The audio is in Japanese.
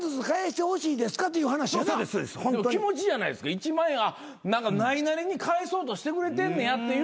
１万円ないなりに返そうとしてくれてんねやっていうので。